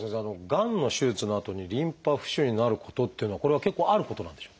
がんの手術のあとにリンパ浮腫になることっていうのはこれは結構あることなんでしょうか？